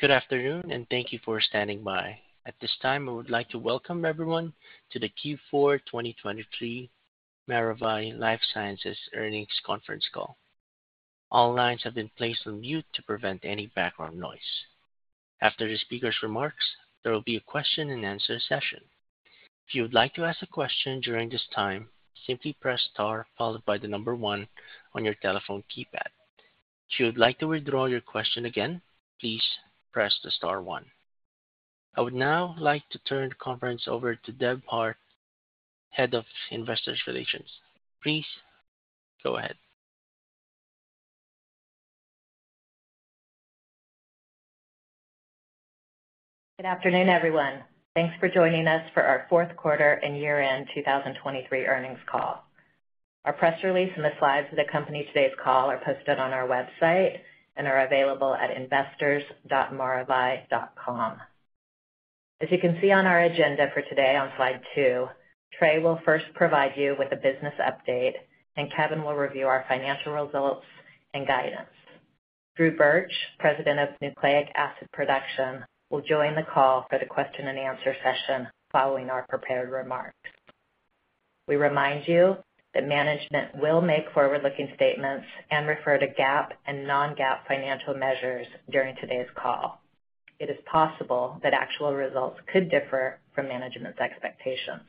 Good afternoon, and thank you for standing by. At this time, I would like to welcome everyone to the Q4 2023 Maravai LifeSciences Earnings Conference Call. All lines have been placed on mute to prevent any background noise. After the speaker's remarks, there will be a question-and-answer session. If you would like to ask a question during this time, simply press star, followed by the number one on your telephone keypad. If you would like to withdraw your question again, please press the star one. I would now like to turn the conference over to Deb Hart, Head of Investor Relations. Please go ahead. Good afternoon, everyone. Thanks for joining us for our fourth quarter and year-end 2023 earnings call. Our press release and the slides that accompany today's call are posted on our website and are available at investors.maravai.com. As you can see on our agenda for today on slide 2, Trey will first provide you with a business update, and Kevin will review our financial results and guidance. Drew Burch, President of Nucleic Acid Production, will join the call for the question-and-answer session following our prepared remarks. We remind you that management will make forward-looking statements and refer to GAAP and non-GAAP financial measures during today's call. It is possible that actual results could differ from management's expectations.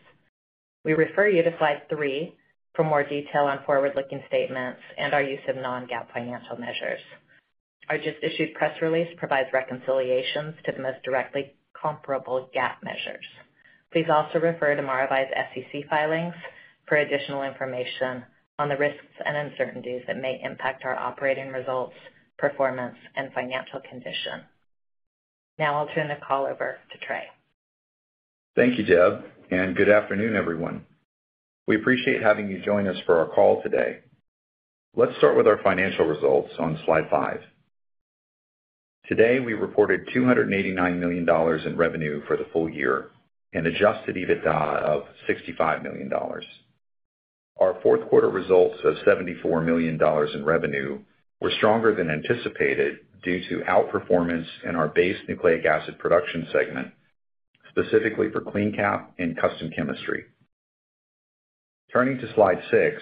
We refer you to slide three for more detail on forward-looking statements and our use of non-GAAP financial measures. Our just-issued press release provides reconciliations to the most directly comparable GAAP measures. Please also refer to Maravai's SEC filings for additional information on the risks and uncertainties that may impact our operating results, performance, and financial condition. Now I'll turn the call over to Trey. Thank you, Deb, and good afternoon, everyone. We appreciate having you join us for our call today. Let's start with our financial results on slide five. Today, we reported $289 million in revenue for the full year and adjusted EBITDA of $65 million. Our fourth quarter results of $74 million in revenue were stronger than anticipated due to outperformance in our base nucleic acid production segment, specifically for CleanCap and custom chemistry. Turning to slide six,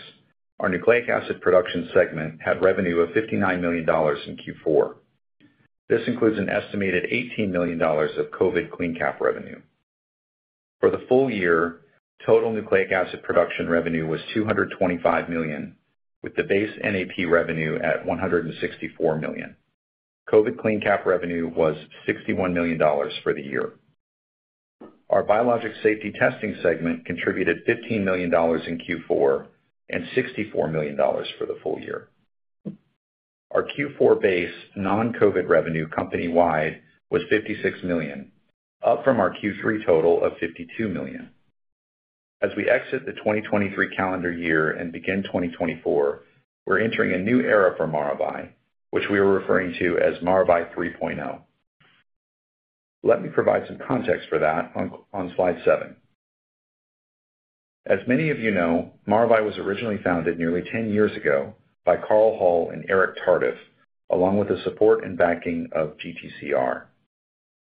our nucleic acid production segment had revenue of $59 million in Q4. This includes an estimated $18 million of COVID CleanCap revenue. For the full year, total nucleic acid production revenue was $225 million, with the base NAP revenue at $164 million. COVID CleanCap revenue was $61 million for the year. Our biologic safety testing segment contributed $15 million in Q4 and $64 million for the full year. Our Q4 base non-COVID revenue company-wide was $56 million, up from our Q3 total of $52 million. As we exit the 2023 calendar year and begin 2024, we're entering a new era for Maravai, which we are referring to as Maravai 3.0. Let me provide some context for that on slide seven. As many of you know, Maravai was originally founded nearly 10 years ago by Carl Hull and Eric Tardif, along with the support and backing of GTCR.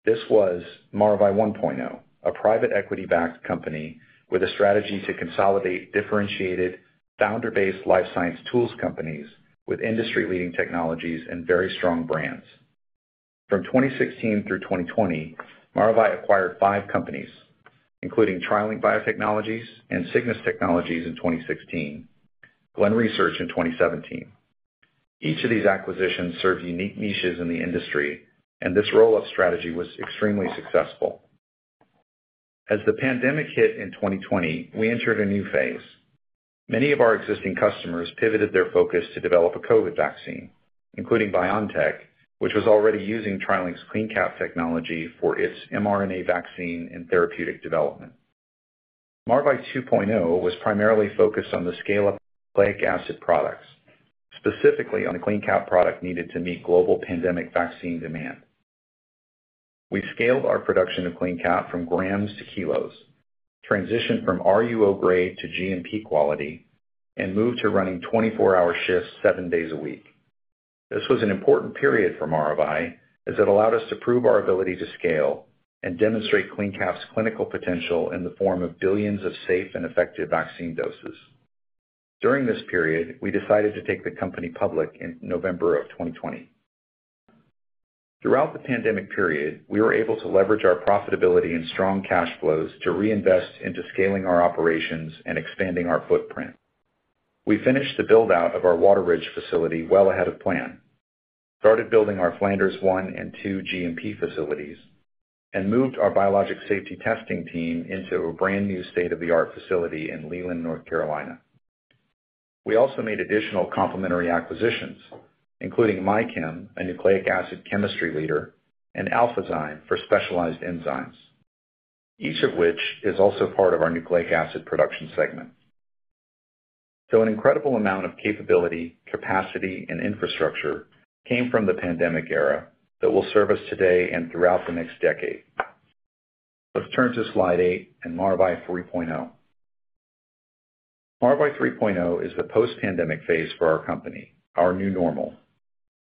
This was Maravai 1.0, a private equity-backed company with a strategy to consolidate differentiated, founder-based life science tools companies with industry-leading technologies and very strong brands. From 2016 through 2020, Maravai acquired five companies, including TriLink BioTechnologies and Cygnus Technologies in 2016, Glen Research in 2017. Each of these acquisitions served unique niches in the industry, and this roll-up strategy was extremely successful. As the pandemic hit in 2020, we entered a new phase. Many of our existing customers pivoted their focus to develop a COVID vaccine, including BioNTech, which was already using TriLink's CleanCap technology for its mRNA vaccine and therapeutic development. Maravai 2.0 was primarily focused on the scale of nucleic acid products, specifically on the CleanCap product needed to meet global pandemic vaccine demand. We scaled our production of CleanCap from grams to kilos, transitioned from RUO grade to GMP quality, and moved to running 24-hour shifts, seven days a week. This was an important period for Maravai, as it allowed us to prove our ability to scale and demonstrate CleanCap's clinical potential in the form of billions of safe and effective vaccine doses. During this period, we decided to take the company public in November of 2020. Throughout the pandemic period, we were able to leverage our profitability and strong cash flows to reinvest into scaling our operations and expanding our footprint. We finished the build-out of our Water Ridge facility well ahead of plan, started building our Flanders 1 and 2 GMP facilities, and moved our biologic safety testing team into a brand-new state-of-the-art facility in Leland, North Carolina. We also made additional complementary acquisitions, including MyChem, a nucleic acid chemistry leader, and Alphazyme for specialized enzymes, each of which is also part of our nucleic acid production segment. So an incredible amount of capability, capacity, and infrastructure came from the pandemic era that will serve us today and throughout the next decade. Let's turn to slide eight and Maravai 3.0. Maravai 3.0 is the post-pandemic phase for our company, our new normal.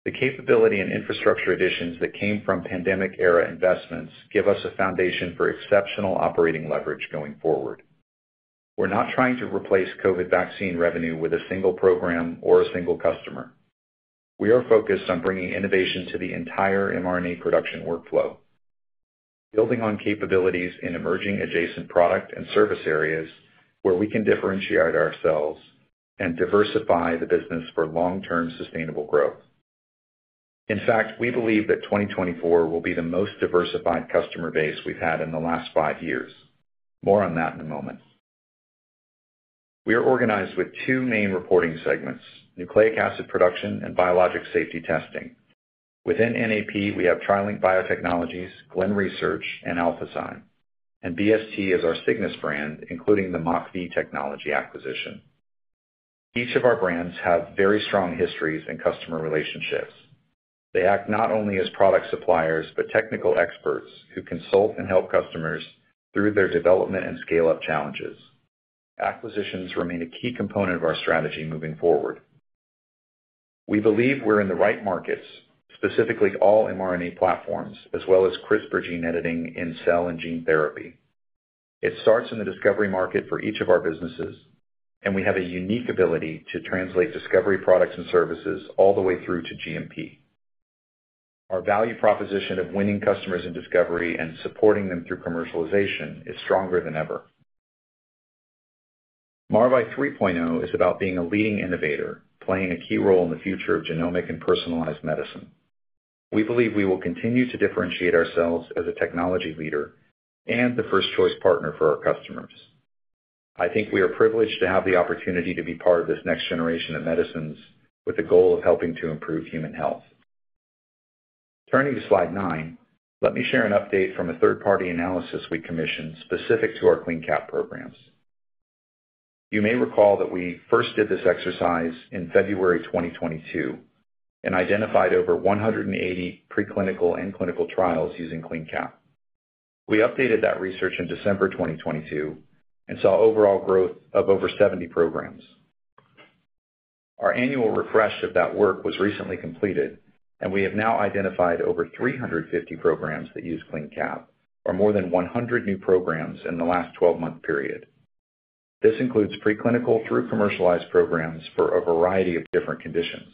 The capability and infrastructure additions that came from pandemic-era investments give us a foundation for exceptional operating leverage going forward. We're not trying to replace COVID vaccine revenue with a single program or a single customer. We are focused on bringing innovation to the entire mRNA production workflow, building on capabilities in emerging adjacent product and service areas where we can differentiate ourselves and diversify the business for long-term sustainable growth. In fact, we believe that 2024 will be the most diversified customer base we've had in the last five years. More on that in a moment. We are organized with two main reporting segments, Nucleic Acid Production and Biologics Safety Testing. Within NAP, we have TriLink BioTechnologies, Glen Research, and Alphazyme, and BST is our Cygnus brand, including the MockV Technology acquisition. Each of our brands have very strong histories and customer relationships. They act not only as product suppliers, but technical experts who consult and help customers through their development and scale-up challenges. Acquisitions remain a key component of our strategy moving forward. We believe we're in the right markets, specifically all mRNA platforms, as well as CRISPR gene editing in cell and gene therapy. It starts in the discovery market for each of our businesses, and we have a unique ability to translate discovery products and services all the way through to GMP. Our value proposition of winning customers in discovery and supporting them through commercialization is stronger than ever. Maravai 3.0 is about being a leading innovator, playing a key role in the future of genomic and personalized medicine. We believe we will continue to differentiate ourselves as a technology leader and the first-choice partner for our customers. I think we are privileged to have the opportunity to be part of this next generation of medicines with the goal of helping to improve human health. Turning to slide nine, let me share an update from a third-party analysis we commissioned specific to our CleanCap programs. You may recall that we first did this exercise in February 2022, and identified over 180 preclinical and clinical trials using CleanCap. We updated that research in December 2022, and saw overall growth of over 70 programs. Our annual refresh of that work was recently completed, and we have now identified over 350 programs that use CleanCap, or more than 100 new programs in the last 12-month period. This includes preclinical through commercialized programs for a variety of different conditions.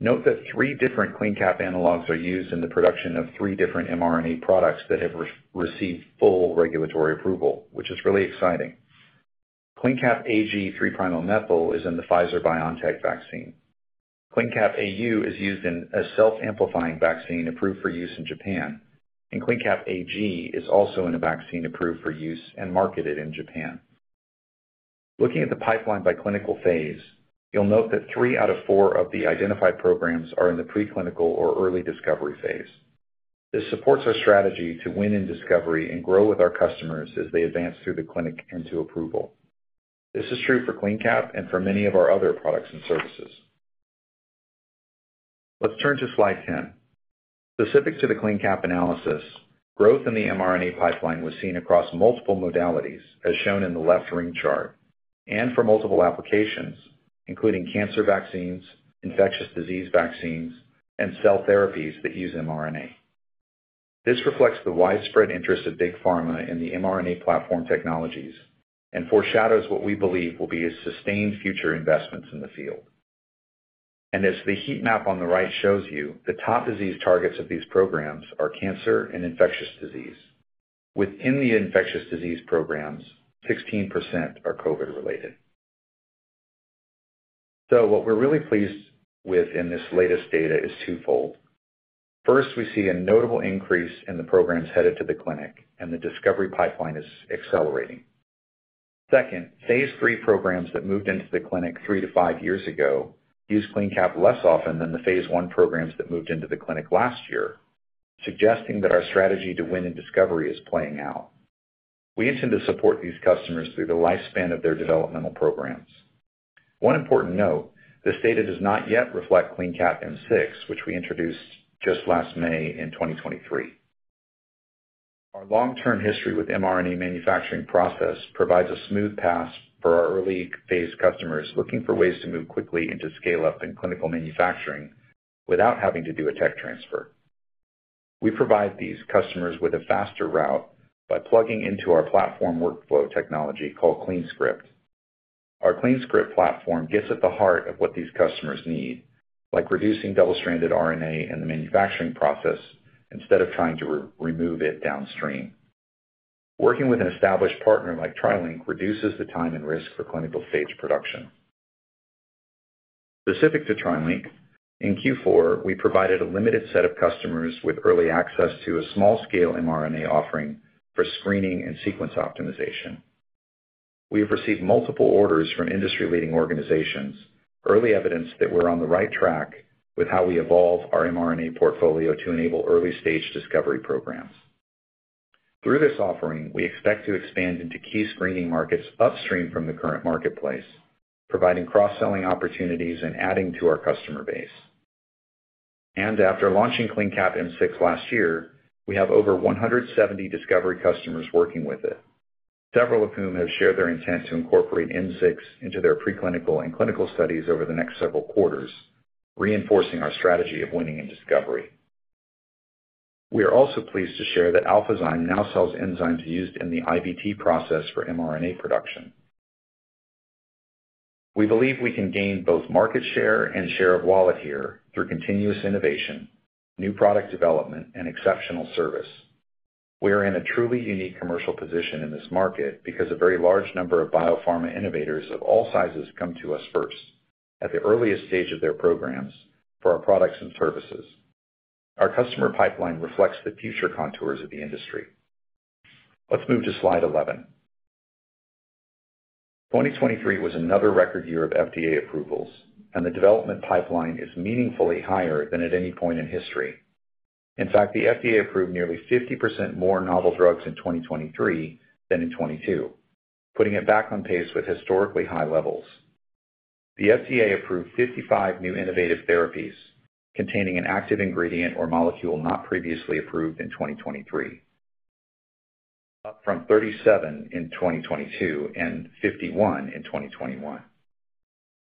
Note that three different CleanCap analogs are used in the production of three different mRNA products that have re-received full regulatory approval, which is really exciting. CleanCap AG (3' OMe) is in the Pfizer-BioNTech vaccine. CleanCap AU is used in a self-amplifying vaccine approved for use in Japan, and CleanCap AG is also in a vaccine approved for use and marketed in Japan. Looking at the pipeline by clinical phase, you'll note that three out of four of the identified programs are in the preclinical or early discovery phase. This supports our strategy to win in discovery and grow with our customers as they advance through the clinic into approval. This is true for CleanCap and for many of our other products and services. Let's turn to Slide 10. Specific to the CleanCap analysis, growth in the mRNA pipeline was seen across multiple modalities, as shown in the left ring chart, and for multiple applications, including cancer vaccines, infectious disease vaccines, and cell therapies that use mRNA. This reflects the widespread interest of Big Pharma in the mRNA platform technologies and foreshadows what we believe will be a sustained future investments in the field. As the heat map on the right shows you, the top disease targets of these programs are cancer and infectious disease. Within the infectious disease programs, 16% are COVID-related. So what we're really pleased with in this latest data is twofold. First, we see a notable increase in the programs headed to the clinic, and the discovery pipeline is accelerating. Second, phase III programs that moved into the clinic 3-5 years ago use CleanCap less often than the phase I programs that moved into the clinic last year, suggesting that our strategy to win in discovery is playing out. We intend to support these customers through the lifespan of their developmental programs. One important note, this data does not yet reflect CleanCap M6, which we introduced just last May in 2023. Our long-term history with mRNA manufacturing process provides a smooth path for our early phase customers looking for ways to move quickly into scale-up and clinical manufacturing without having to do a tech transfer. We provide these customers with a faster route by plugging into our platform workflow technology called CleanScript. Our CleanScript platform gets at the heart of what these customers need, like reducing double-stranded RNA in the manufacturing process instead of trying to re-remove it downstream. Working with an established partner like TriLink reduces the time and risk for clinical stage production. Specific to TriLink, in Q4, we provided a limited set of customers with early access to a small-scale mRNA offering for screening and sequence optimization. We have received multiple orders from industry-leading organizations, early evidence that we're on the right track with how we evolve our mRNA portfolio to enable early-stage discovery programs. Through this offering, we expect to expand into key screening markets upstream from the current marketplace, providing cross-selling opportunities and adding to our customer base.... After launching CleanCap M6 last year, we have over 170 discovery customers working with it, several of whom have shared their intent to incorporate M6 into their preclinical and clinical studies over the next several quarters, reinforcing our strategy of winning in discovery. We are also pleased to share that Alphazyme now sells enzymes used in the IVT process for mRNA production. We believe we can gain both market share and share of wallet here through continuous innovation, new product development, and exceptional service. We are in a truly unique commercial position in this market because a very large number of biopharma innovators of all sizes come to us first, at the earliest stage of their programs, for our products and services. Our customer pipeline reflects the future contours of the industry. Let's move to slide 11. 2023 was another record year of FDA approvals, and the development pipeline is meaningfully higher than at any point in history. In fact, the FDA approved nearly 50% more novel drugs in 2023 than in 2022, putting it back on pace with historically high levels. The FDA approved 55 new innovative therapies containing an active ingredient or molecule not previously approved in 2023, up from 37 in 2022 and 51 in 2021.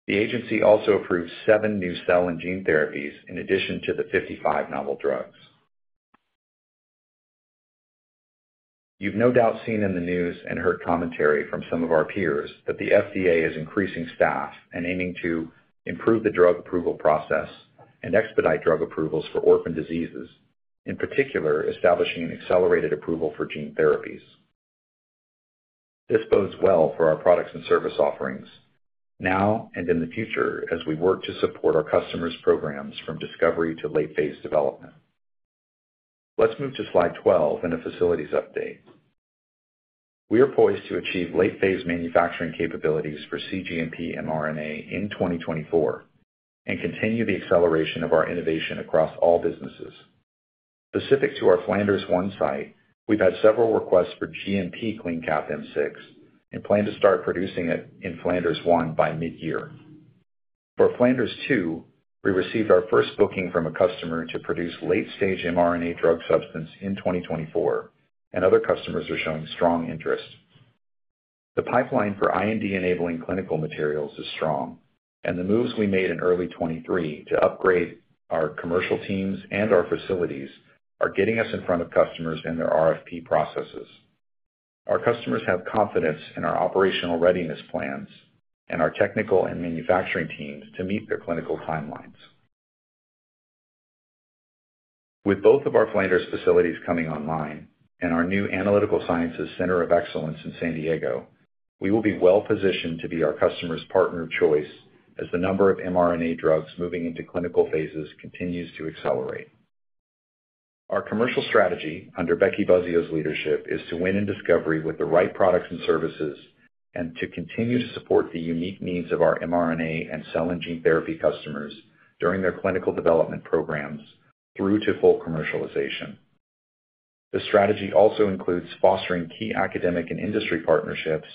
The agency also approved seven new cell and gene therapies in addition to the 55 novel drugs. You've no doubt seen in the news and heard commentary from some of our peers that the FDA is increasing staff and aiming to improve the drug approval process and expedite drug approvals for orphan diseases, in particular, establishing an accelerated approval for gene therapies. This bodes well for our products and service offerings now and in the future, as we work to support our customers' programs from discovery to late phase development. Let's move to slide 12 and a facilities update. We are poised to achieve late phase manufacturing capabilities for cGMP mRNA in 2024 and continue the acceleration of our innovation across all businesses. Specific to our Flanders 1 site, we've had several requests for GMP CleanCap M6 and plan to start producing it in Flanders 1 by mid-year. For Flanders 2, we received our first booking from a customer to produce late-stage mRNA drug substance in 2024, and other customers are showing strong interest. The pipeline for IND-enabling clinical materials is strong, and the moves we made in early 2023 to upgrade our commercial teams and our facilities are getting us in front of customers in their RFP processes. Our customers have confidence in our operational readiness plans and our technical and manufacturing teams to meet their clinical timelines. With both of our Flanders facilities coming online and our new Analytical Sciences Center of Excellence in San Diego, we will be well-positioned to be our customers' partner of choice as the number of mRNA drugs moving into clinical phases continues to accelerate. Our commercial strategy under Becky Buzzeo's leadership is to win in discovery with the right products and services and to continue to support the unique needs of our mRNA and cell and gene therapy customers during their clinical development programs through to full commercialization. The strategy also includes fostering key academic and industry partnerships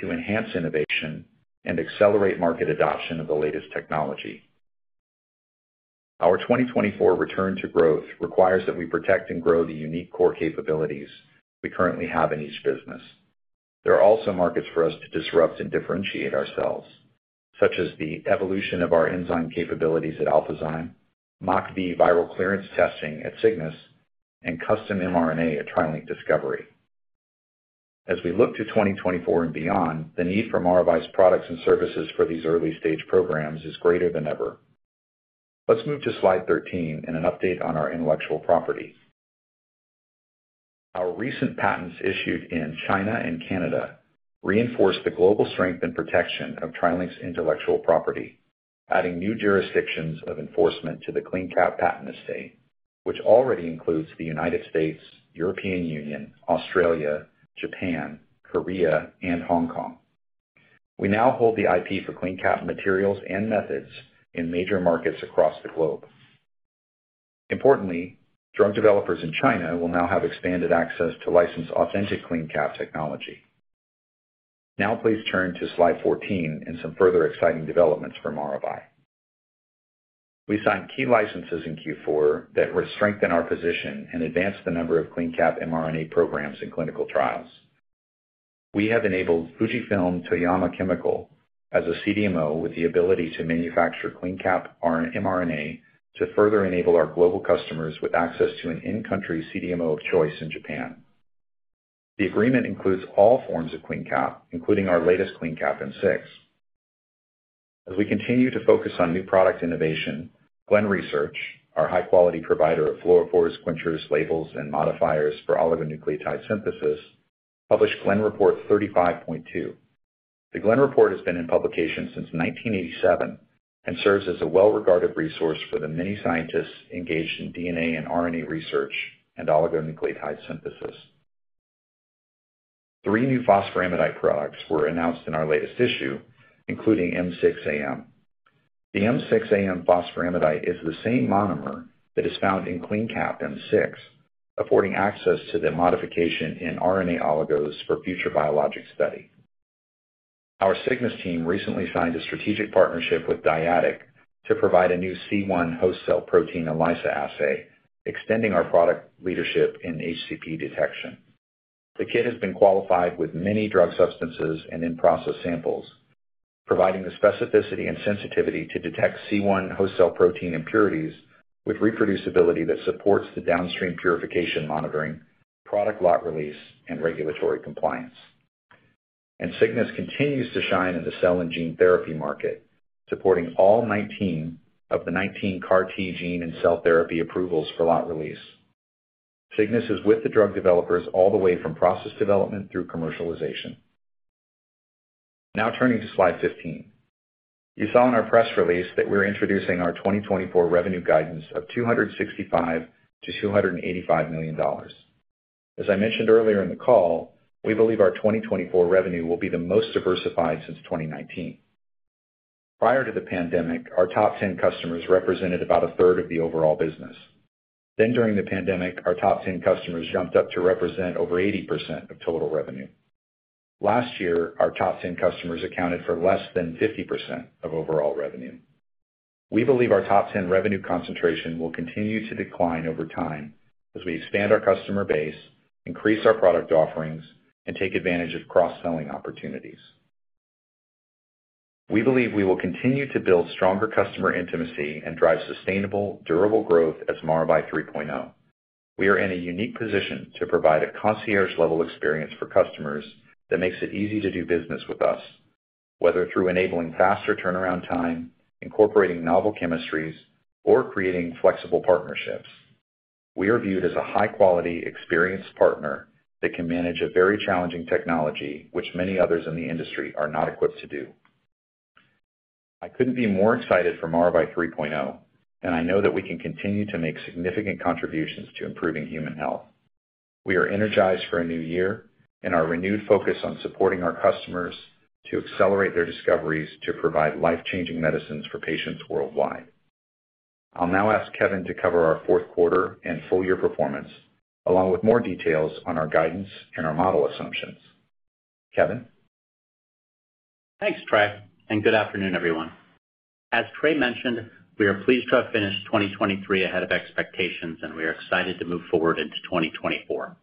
to enhance innovation and accelerate market adoption of the latest technology. Our 2024 return to growth requires that we protect and grow the unique core capabilities we currently have in each business. There are also markets for us to disrupt and differentiate ourselves, such as the evolution of our enzyme capabilities at Alphazyme, MockV viral clearance testing at Cygnus, and custom mRNA at TriLink Discovery. As we look to 2024 and beyond, the need for Maravai's products and services for these early-stage programs is greater than ever. Let's move to slide 13 and an update on our intellectual property. Our recent patents issued in China and Canada reinforce the global strength and protection of TriLink's intellectual property, adding new jurisdictions of enforcement to the CleanCap patent estate, which already includes the United States, European Union, Australia, Japan, Korea, and Hong Kong. We now hold the IP for CleanCap materials and methods in major markets across the globe. Importantly, drug developers in China will now have expanded access to licensed, authentic CleanCap technology. Now, please turn to slide 14 and some further exciting developments from Maravai. We signed key licenses in Q4 that will strengthen our position and advance the number of CleanCap mRNA programs in clinical trials. We have enabled Fujifilm Toyama Chemical as a CDMO with the ability to manufacture CleanCap mRNA to further enable our global customers with access to an in-country CDMO of choice in Japan. The agreement includes all forms of CleanCap, including our latest CleanCap M6. As we continue to focus on new product innovation, Glen Research, our high-quality provider of fluorophores, quenchers, labels, and modifiers for oligonucleotide synthesis, published Glen Report 35.2. The Glen Report has been in publication since 1987 and serves as a well-regarded resource for the many scientists engaged in DNA and RNA research and oligonucleotide synthesis. Three new phosphoramidite products were announced in our latest issue, including m6Am. The m6Am phosphoramidite is the same monomer that is found in CleanCap M6, affording access to the modification in RNA oligos for future biologic study. Our Cygnus team recently signed a strategic partnership with Dyadic to provide a new C1 host cell protein ELISA assay, extending our product leadership in HCP detection. The kit has been qualified with many drug substances and in-process samples, providing the specificity and sensitivity to detect C1 host cell protein impurities with reproducibility that supports the downstream purification monitoring, product lot release, and regulatory compliance. Cygnus continues to shine in the cell and gene therapy market, supporting all 19 of the 19 CAR T gene and cell therapy approvals for lot release. Cygnus is with the drug developers all the way from process development through commercialization. Now turning to slide 15. You saw in our press release that we're introducing our 2024 revenue guidance of $265 million-$285 million. As I mentioned earlier in the call, we believe our 2024 revenue will be the most diversified since 2019. Prior to the pandemic, our top 10 customers represented about a third of the overall business. Then, during the pandemic, our top 10 customers jumped up to represent over 80% of total revenue. Last year, our top 10 customers accounted for less than 50% of overall revenue. We believe our top 10 revenue concentration will continue to decline over time as we expand our customer base, increase our product offerings, and take advantage of cross-selling opportunities. We believe we will continue to build stronger customer intimacy and drive sustainable, durable growth as Maravai 3.0. We are in a unique position to provide a concierge-level experience for customers that makes it easy to do business with us, whether through enabling faster turnaround time, incorporating novel chemistries, or creating flexible partnerships. We are viewed as a high-quality, experienced partner that can manage a very challenging technology, which many others in the industry are not equipped to do. I couldn't be more excited for Maravai 3.0, and I know that we can continue to make significant contributions to improving human health. We are energized for a new year and our renewed focus on supporting our customers to accelerate their discoveries to provide life-changing medicines for patients worldwide. I'll now ask Kevin to cover our fourth quarter and full year performance, along with more details on our guidance and our model assumptions. Kevin? Thanks, Trey, and good afternoon, everyone. As Trey mentioned, we are pleased to have finished 2023 ahead of expectations, and we are excited to move forward into 2024.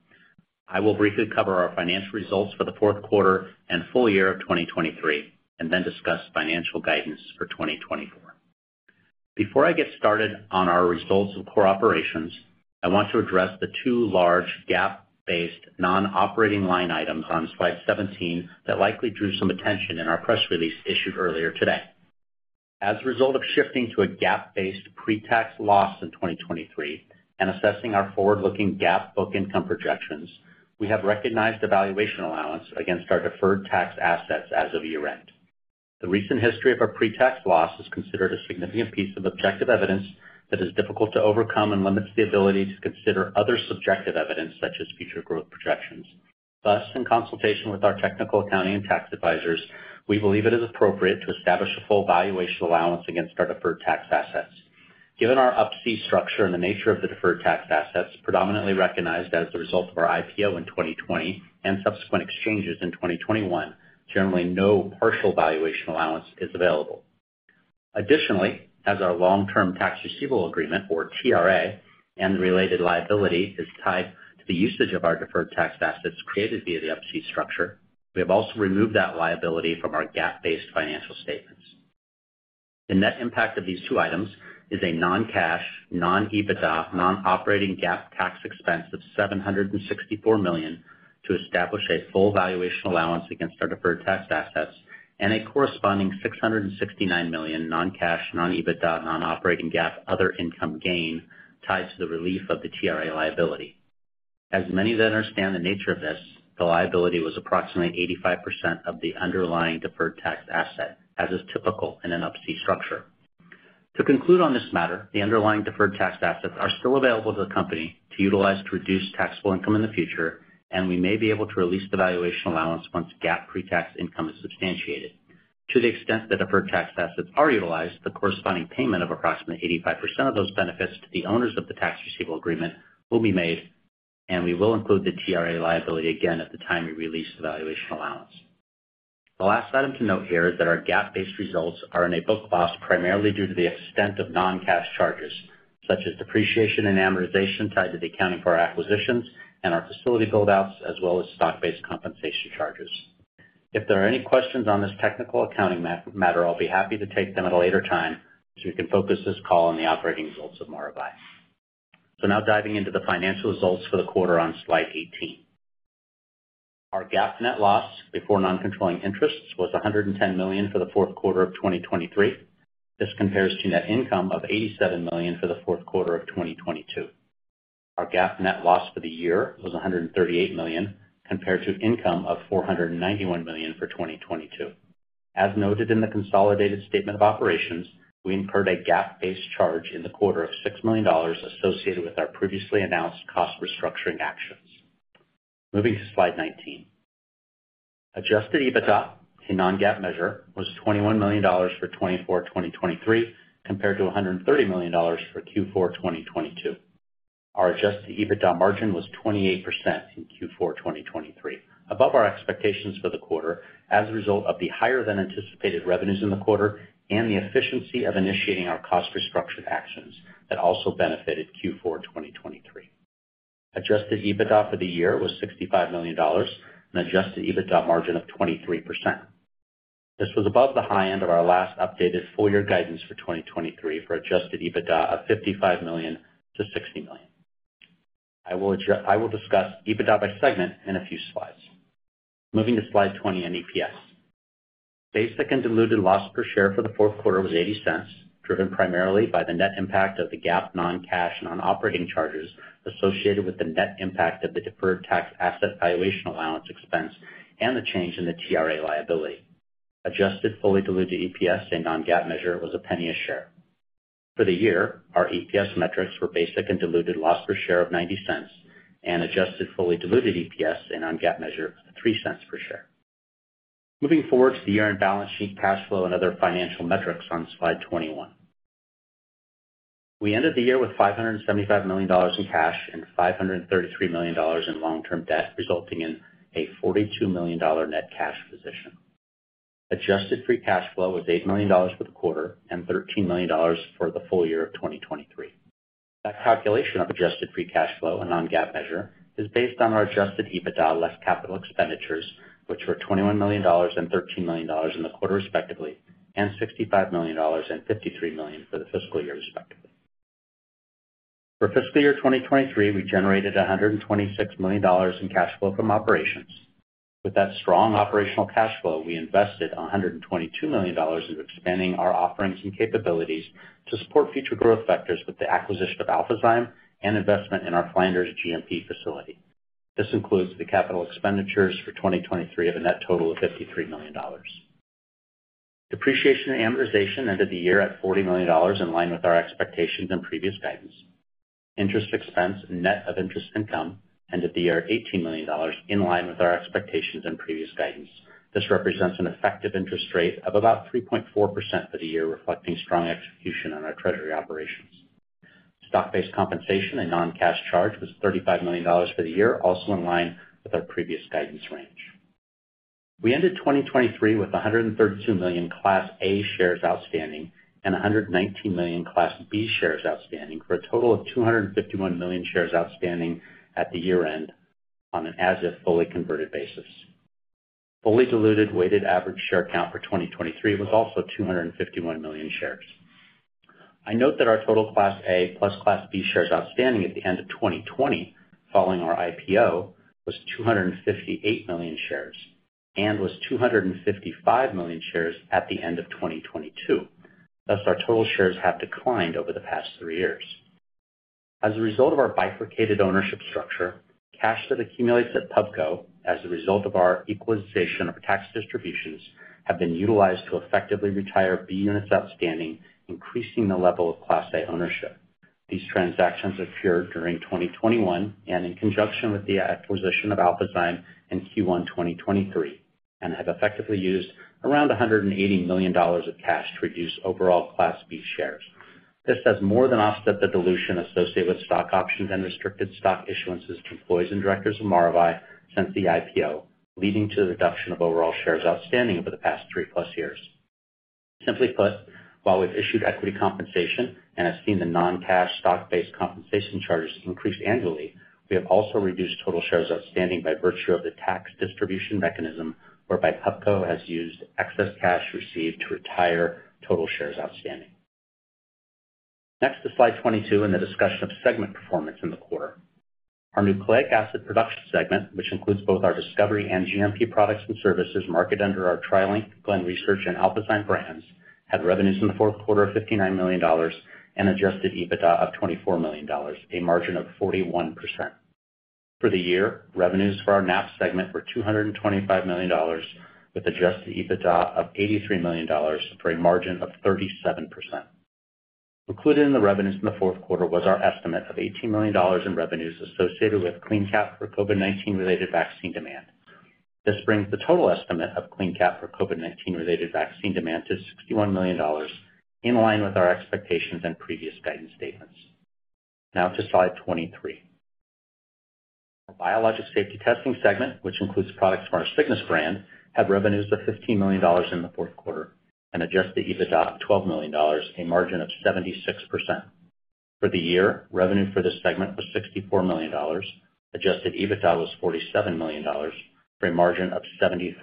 I will briefly cover our financial results for the fourth quarter and full year of 2023, and then discuss financial guidance for 2024. Before I get started on our results of core operations, I want to address the two large GAAP-based, non-operating line items on slide 17 that likely drew some attention in our press release issued earlier today. As a result of shifting to a GAAP-based pretax loss in 2023 and assessing our forward-looking GAAP book income projections, we have recognized a valuation allowance against our deferred tax assets as of year-end. The recent history of our pretax loss is considered a significant piece of objective evidence that is difficult to overcome and limits the ability to consider other subjective evidence, such as future growth projections. Thus, in consultation with our technical accounting and tax advisors, we believe it is appropriate to establish a full valuation allowance against our deferred tax assets. Given our Up-C structure and the nature of the deferred tax assets, predominantly recognized as a result of our IPO in 2020 and subsequent exchanges in 2021, generally, no partial valuation allowance is available. Additionally, as our long-term tax receivable agreement, or TRA, and the related liability is tied to the usage of our deferred tax assets created via the Up-C structure, we have also removed that liability from our GAAP-based financial statements. The net impact of these two items is a non-cash, non-EBITDA, non-operating GAAP tax expense of $764 million to establish a full valuation allowance against our deferred tax assets, and a corresponding $669 million non-cash, non-EBITDA, non-operating GAAP other income gain tied to the relief of the TRA liability. As many that understand the nature of this, the liability was approximately 85% of the underlying deferred tax asset, as is typical in an Up-C structure. To conclude on this matter, the underlying deferred tax assets are still available to the company to utilize to reduce taxable income in the future, and we may be able to release the valuation allowance once GAAP pretax income is substantiated. To the extent that deferred tax assets are utilized, the corresponding payment of approximately 85% of those benefits to the owners of the tax receivable agreement will be made, and we will include the TRA liability again at the time we release the valuation allowance. The last item to note here is that our GAAP-based results are in a book loss, primarily due to the extent of non-cash charges, such as depreciation and amortization tied to the accounting for our acquisitions and our facility build-outs, as well as stock-based compensation charges. If there are any questions on this technical accounting matter, I'll be happy to take them at a later time, so we can focus this call on the operating results of Maravai. So now diving into the financial results for the quarter on slide 18. Our GAAP net loss before non-controlling interests was $110 million for the fourth quarter of 2023. This compares to net income of $87 million for the fourth quarter of 2022. Our GAAP net loss for the year was $138 million, compared to income of $491 million for 2022. As noted in the consolidated statement of operations, we incurred a GAAP-based charge in the quarter of $6 million associated with our previously announced cost restructuring actions. Moving to slide 19. Adjusted EBITDA, a non-GAAP measure, was $21 million for Q4 2023, compared to $130 million for Q4 2022. Our adjusted EBITDA margin was 28% in Q4 2023, above our expectations for the quarter, as a result of the higher than anticipated revenues in the quarter and the efficiency of initiating our cost restructure actions that also benefited Q4 2023. Adjusted EBITDA for the year was $65 million, an adjusted EBITDA margin of 23%. This was above the high end of our last updated full year guidance for 2023 for adjusted EBITDA of $55 million-$60 million. I will discuss EBITDA by segment in a few slides. Moving to slide 20 on EPS. Basic and diluted loss per share for the fourth quarter was $0.80, driven primarily by the net impact of the GAAP non-cash and non-operating charges associated with the net impact of the deferred tax asset valuation allowance expense and the change in the TRA liability. Adjusted fully diluted EPS and non-GAAP measure was $0.01 per share. For the year, our EPS metrics were basic and diluted loss per share of $0.90 and adjusted fully diluted EPS and non-GAAP measure, $0.03 per share. Moving forward to the year-end balance sheet, cash flow, and other financial metrics on slide 21. We ended the year with $575 million in cash and $533 million in long-term debt, resulting in a $42 million net cash position. Adjusted free cash flow was $8 million for the quarter and $13 million for the full year of 2023. That calculation of adjusted free cash flow and non-GAAP measure is based on our adjusted EBITDA less capital expenditures, which were $21 million and $13 million in the quarter, respectively, and $65 million and $53 million for the fiscal year, respectively. For fiscal year 2023, we generated $126 million in cash flow from operations. With that strong operational cash flow, we invested $122 million in expanding our offerings and capabilities to support future growth vectors with the acquisition of Alphazyme and investment in our Flanders GMP facility. This includes the capital expenditures for 2023 of a net total of $53 million. Depreciation and amortization ended the year at $40 million, in line with our expectations and previous guidance. Interest expense, net of interest income, ended the year $18 million, in line with our expectations and previous guidance. This represents an effective interest rate of about 3.4% for the year, reflecting strong execution on our treasury operations. Stock-based compensation and non-cash charge was $35 million for the year, also in line with our previous guidance range. We ended 2023 with 132 million Class A shares outstanding and 119 million Class B shares outstanding, for a total of 251 million shares outstanding at the year-end on an as-if fully converted basis. Fully diluted weighted average share count for 2023 was also 251 million shares. I note that our total Class A plus Class B shares outstanding at the end of 2020, following our IPO, was 258 million shares and was 255 million shares at the end of 2022. Thus, our total shares have declined over the past three years. As a result of our bifurcated ownership structure, cash that accumulates at PubCo as a result of our equalization of tax distributions, have been utilized to effectively retire B units outstanding, increasing the level of Class A ownership. These transactions occurred during 2021 and in conjunction with the acquisition of Alphazyme in Q1 2023, and have effectively used around $180 million of cash to reduce overall Class B shares. This has more than offset the dilution associated with stock options and restricted stock issuances to employees and directors of Maravai since the IPO, leading to the reduction of overall shares outstanding over the past 3+ years. Simply put, while we've issued equity compensation and have seen the non-cash stock-based compensation charges increase annually, we have also reduced total shares outstanding by virtue of the tax distribution mechanism, whereby PubCo has used excess cash received to retire total shares outstanding. Next to slide 22, and the discussion of segment performance in the quarter. Our nucleic acid production segment, which includes both our discovery and GMP products and services, marketed under our TriLink, Glen Research, and Alphazyme brands, had revenues in the fourth quarter of $59 million and adjusted EBITDA of $24 million, a margin of 41%. For the year, revenues for our NAP segment were $225 million, with adjusted EBITDA of $83 million, for a margin of 37%. Included in the revenues in the fourth quarter was our estimate of $18 million in revenues associated with CleanCap for COVID-19-related vaccine demand. This brings the total estimate of CleanCap for COVID-19-related vaccine demand to $61 million, in line with our expectations and previous guidance statements. Now to slide 23. Our biologic safety testing segment, which includes products from our Cygnus brand, had revenues of $15 million in the fourth quarter and adjusted EBITDA of $12 million, a margin of 76%. For the year, revenue for this segment was $64 million. Adjusted EBITDA was $47 million, for a margin of 73%.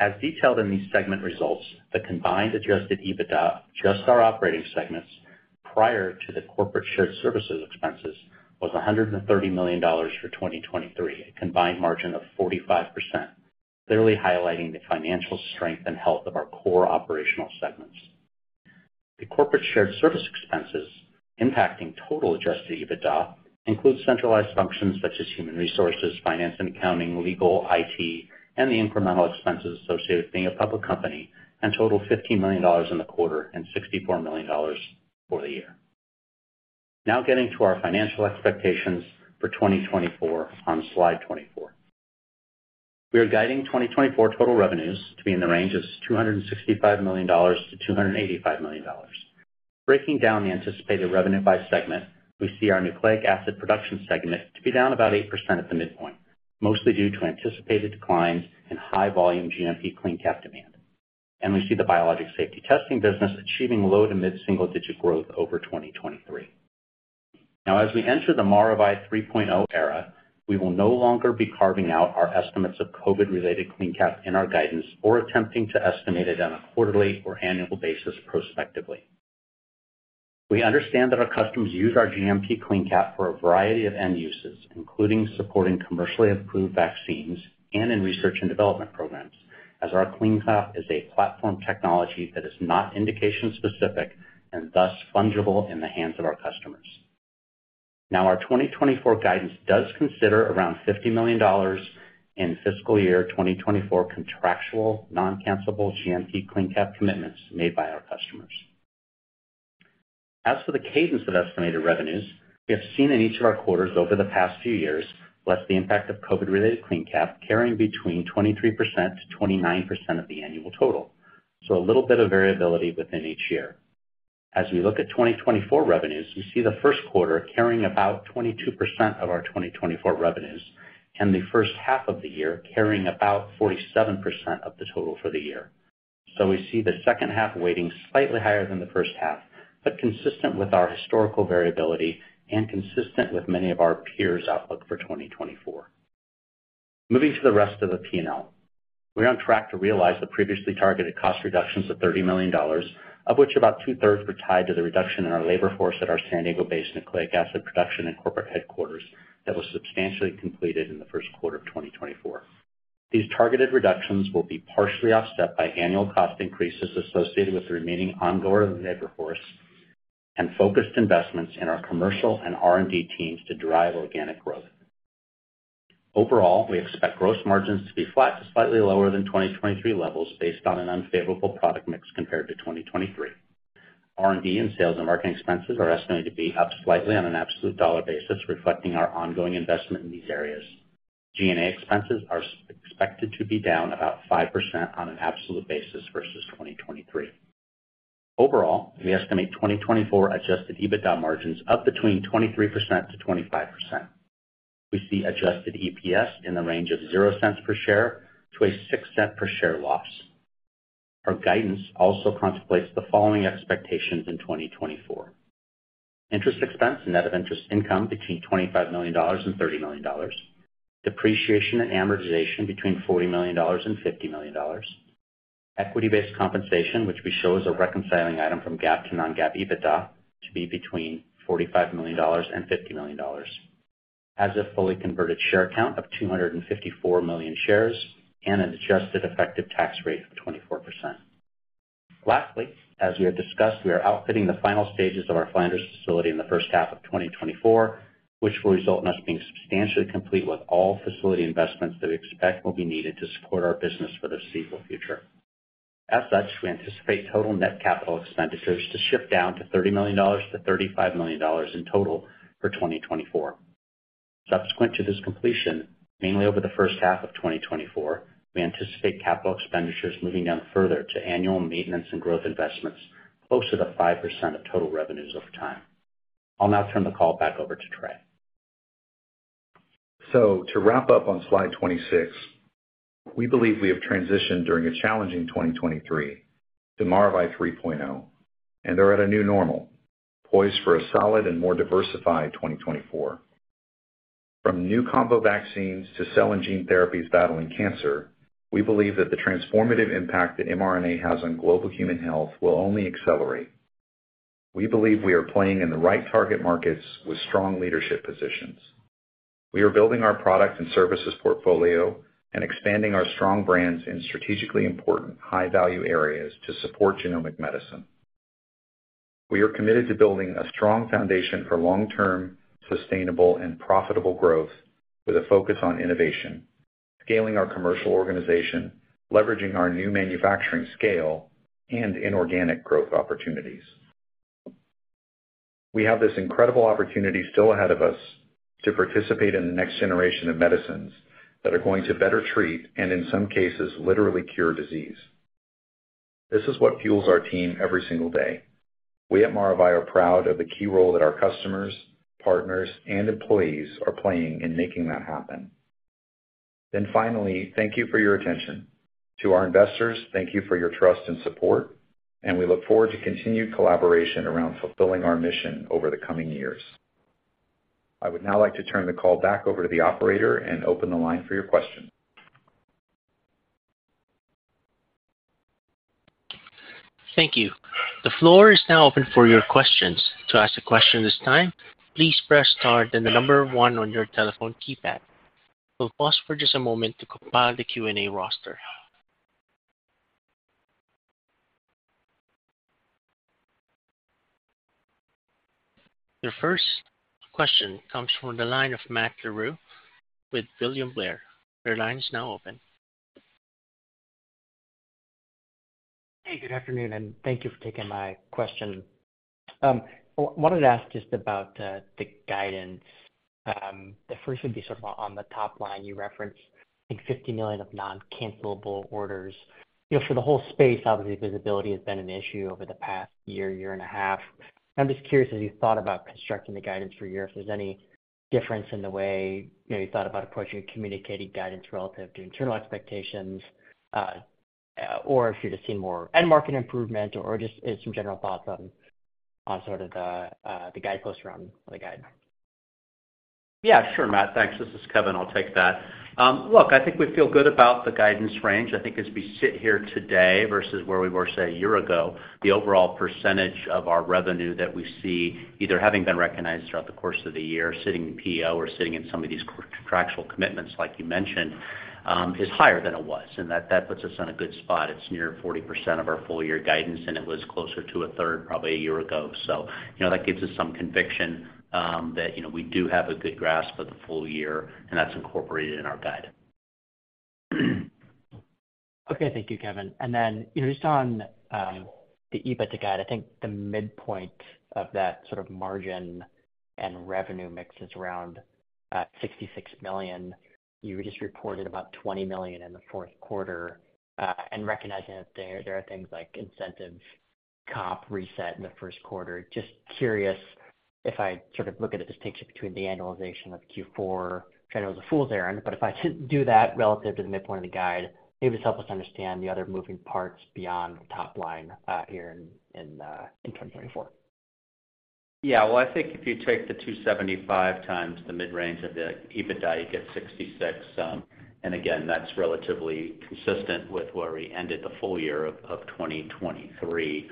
As detailed in these segment results, the combined adjusted EBITDA, just our operating segments, prior to the corporate shared services expenses, was $130 million for 2023, a combined margin of 45%, clearly highlighting the financial strength and health of our core operational segments. The corporate shared service expenses impacting total adjusted EBITDA includes centralized functions such as human resources, finance and accounting, legal, IT, and the incremental expenses associated with being a public company, and total $15 million in the quarter and $64 million for the year. Now getting to our financial expectations for 2024 on slide 24. We are guiding 2024 total revenues to be in the range of $265 million-$285 million. Breaking down the anticipated revenue by segment, we see our Nucleic Acid Production segment to be down about 8% at the midpoint, mostly due to anticipated declines in high volume GMP CleanCap demand. We see the Biologics Safety Testing business achieving low to mid-single-digit growth over 2023. Now, as we enter the Maravai 3.0 era, we will no longer be carving out our estimates of COVID-related CleanCap in our guidance or attempting to estimate it on a quarterly or annual basis prospectively. We understand that our customers use our GMP CleanCap for a variety of end uses, including supporting commercially approved vaccines and in research and development programs, as our CleanCap is a platform technology that is not indication-specific and thus fungible in the hands of our customers. Now, our 2024 guidance does consider around $50 million in fiscal year 2024 contractual, non-cancellable GMP CleanCap commitments made by our customers. As for the cadence of estimated revenues, we have seen in each of our quarters over the past few years, less the impact of Covid-related CleanCap, carrying between 23%-29% of the annual total, so a little bit of variability within each year. As we look at 2024 revenues, we see the first quarter carrying about 22% of our 2024 revenues and the first half of the year carrying about 47% of the total for the year. So we see the second half weighting slightly higher than the first half, but consistent with our historical variability and consistent with many of our peers' outlook for 2024. Moving to the rest of the P&L. We're on track to realize the previously targeted cost reductions of $30 million, of which about two-thirds were tied to the reduction in our labor force at our San Diego-based nucleic acid production and corporate headquarters that was substantially completed in the first quarter of 2024. These targeted reductions will be partially offset by annual cost increases associated with the remaining ongoing labor force and focused investments in our commercial and R&D teams to drive organic growth. Overall, we expect gross margins to be flat to slightly lower than 2023 levels based on an unfavorable product mix compared to 2023. R&D and sales and marketing expenses are estimated to be up slightly on an absolute dollar basis, reflecting our ongoing investment in these areas. G&A expenses are expected to be down about 5% on an absolute basis versus 2023. Overall, we estimate 2024 adjusted EBITDA margins up between 23%-25%. We see adjusted EPS in the range of $0.00 per share to a $0.06 per share loss. Our guidance also contemplates the following expectations in 2024: interest expense and net of interest income between $25 million and $30 million, depreciation and amortization between $40 million and $50 million, equity-based compensation, which we show as a reconciling item from GAAP to non-GAAP EBITDA, to be between $45 million and $50 million, as a fully converted share count of 254 million shares and an adjusted effective tax rate of 24%. Lastly, as we have discussed, we are outfitting the final stages of our Flanders facility in the first half of 2024, which will result in us being substantially complete with all facility investments that we expect will be needed to support our business for the foreseeable future. As such, we anticipate total net capital expenditures to shift down to $30 million-$35 million in total for 2024. Subsequent to this completion, mainly over the first half of 2024, we anticipate capital expenditures moving down further to annual maintenance and growth investments, close to the 5% of total revenues over time. I'll now turn the call back over to Trey. So to wrap up on slide 26, we believe we have transitioned during a challenging 2023 to Maravai 3.0, and are at a new normal, poised for a solid and more diversified 2024. From new combo vaccines to cell and gene therapies battling cancer, we believe that the transformative impact that mRNA has on global human health will only accelerate. We believe we are playing in the right target markets with strong leadership positions. We are building our products and services portfolio and expanding our strong brands in strategically important high-value areas to support genomic medicine. We are committed to building a strong foundation for long-term, sustainable, and profitable growth, with a focus on innovation, scaling our commercial organization, leveraging our new manufacturing scale, and inorganic growth opportunities. We have this incredible opportunity still ahead of us to participate in the next generation of medicines that are going to better treat, and in some cases, literally cure disease. This is what fuels our team every single day. We at Maravai are proud of the key role that our customers, partners, and employees are playing in making that happen. Finally, thank you for your attention. To our investors, thank you for your trust and support, and we look forward to continued collaboration around fulfilling our mission over the coming years. I would now like to turn the call back over to the operator and open the line for your questions. Thank you. The floor is now open for your questions. To ask a question at this time, please press star, then the number one on your telephone keypad. We'll pause for just a moment to compile the Q&A roster. Your first question comes from the line of Matt Larew with William Blair. Your line is now open. Hey, good afternoon, and thank you for taking my question. Wanted to ask just about the guidance. The first would be sort of on the top line. You referenced, I think, $50 million of non-cancellable orders. You know, for the whole space, obviously, visibility has been an issue over the past year, year and a half. I'm just curious, as you thought about constructing the guidance for a year, if there's any difference in the way, you know, you thought about approaching communicating guidance relative to internal expectations, or if you're just seeing more end market improvement, or just some general thoughts on sort of the guidepost around the guide? Yeah, sure, Matt. Thanks. This is Kevin. I'll take that. Look, I think we feel good about the guidance range. I think as we sit here today versus where we were, say, a year ago, the overall percentage of our revenue that we see either having been recognized throughout the course of the year, sitting in PO or sitting in some of these contractual commitments, like you mentioned, is higher than it was, and that, that puts us in a good spot. It's near 40% of our full year guidance, and it was closer to a third, probably a year ago. So you know, that gives us some conviction, that, you know, we do have a good grasp of the full year, and that's incorporated in our guide. Okay. Thank you, Kevin. And then, you know, just on, the EBITDA guide, I think the midpoint of that sort of margin and revenue mix is around, $66 million. You just reported about $20 million in the fourth quarter. And recognizing that there, there are things like incentive comp reset in the first quarter, just curious if I sort of look at the distinction between the annualization of Q4, which I know is a fool's errand, but if I should do that relative to the midpoint of the guide, maybe just help us understand the other moving parts beyond the top line, here in 2024. Yeah. Well, I think if you take the 275 times the mid-range of the EBITDA, you get 66. And again, that's relatively consistent with where we ended the full year of 2023.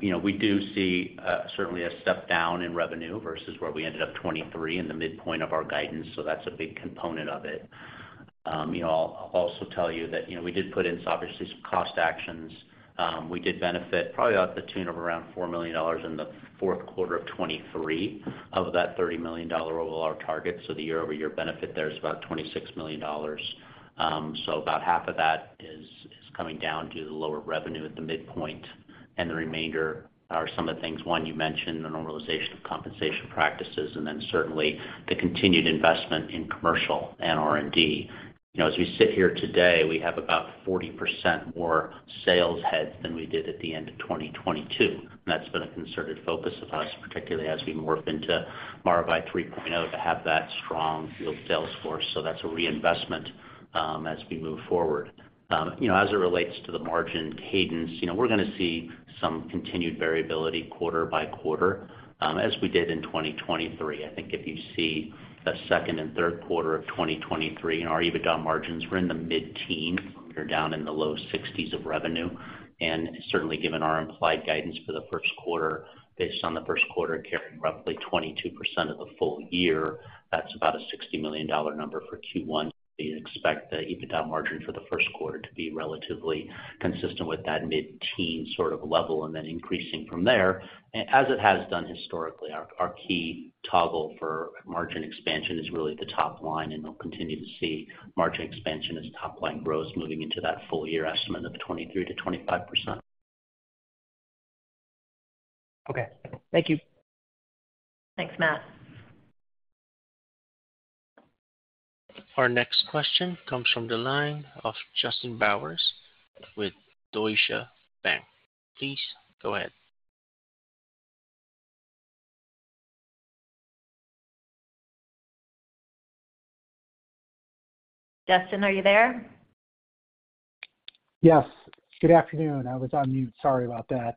You know, we do see certainly a step down in revenue versus where we ended up 2023 in the midpoint of our guidance, so that's a big component of it. You know, I'll also tell you that, you know, we did put in, obviously, some cost actions. We did benefit probably about the tune of around $4 million in the fourth quarter of 2023 of that $30 million overall target. So the year-over-year benefit there is about $26 million. So about half of that is coming down to the lower revenue at the midpoint, and the remainder are some of the things, one, you mentioned, the normalization of compensation practices, and then certainly the continued investment in commercial and R&D. You know, as we sit here today, we have about 40% more sales heads than we did at the end of 2022. That's been a concerted focus of us, particularly as we morph into Maravai 3.0, to have that strong field sales force. So that's a reinvestment as we move forward. You know, as it relates to the margin cadence, you know, we're gonna see some continued variability quarter by quarter, as we did in 2023. I think if you see the second and third quarter of 2023, and our EBITDA margins were in the mid-teen, they're down in the low sixties of revenue. Certainly, given our implied guidance for the first quarter, based on the first quarter carrying roughly 22% of the full year, that's about a $60 million number for Q1. We expect the EBITDA margin for the first quarter to be relatively consistent with that mid-teen sort of level and then increasing from there. As it has done historically, our key toggle for margin expansion is really the top line, and we'll continue to see margin expansion as top line grows, moving into that full year estimate of 23%-25%. Okay, thank you. Thanks, Matt. Our next question comes from the line of Justin Bowers with Deutsche Bank. Please go ahead. Justin, are you there? Yes, good afternoon. I was on mute. Sorry about that.